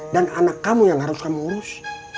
anak kamu yang harus kamu urus